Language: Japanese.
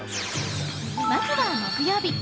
まずは木曜日。